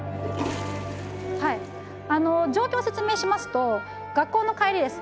はい状況を説明しますと学校の帰りです。